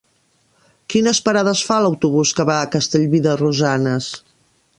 Quines parades fa l'autobús que va a Castellví de Rosanes?